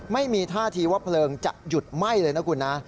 ไม่มีท่าทีว่าเพลิงจะหยุดไหม้เลยนะคุณนะ